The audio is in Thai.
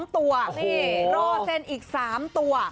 ๑๒ตัวรอเซนอีก๓ตัว